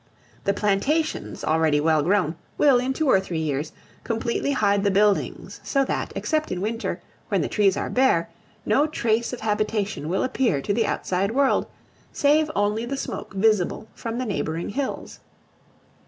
The plantations, already well grown, will, in two or three years, completely hide the buildings, so that, except in winter, when the trees are bare, no trace of habitation will appear to the outside world, save only the smoke visible from the neighboring hills.